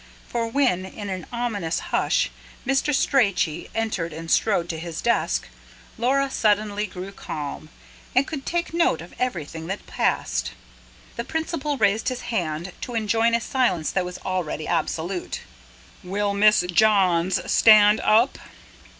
For when, in an ominous hush, Mr. Strachey entered and strode to his desk, Laura suddenly grew calm, and could take note of everything that passed. The Principal raised his hand, to enjoin a silence that was already absolute. "Will Miss Johns stand up!"